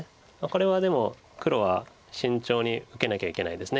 これはでも黒は慎重に受けなきゃいけないです。